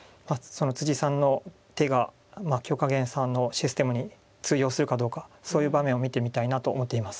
さんの手が許家元さんのシステムに通用するかどうかそういう場面を見てみたいなと思っています。